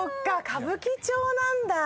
「歌舞伎町」なんだ。